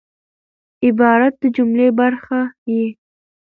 عبارت د جملې برخه يي.